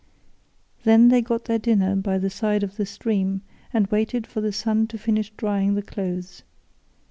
Then they got their dinner by the side of the stream, and waited for the sun to finish drying the clothes.